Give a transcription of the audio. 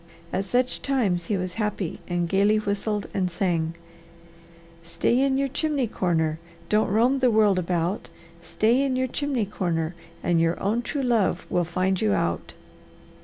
At such times he was happy and gaily whistled and sang: "Stay in your chimney corner, Don't roam the world about, Stay in your chimney corner, And your own true love will find you out."